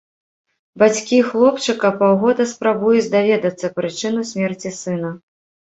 Бацькі хлопчыка паўгода спрабуюць даведацца прычыну смерці сына.